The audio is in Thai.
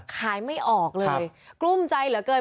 ไม่ออกเลยกลุ้มใจเหลือเกิน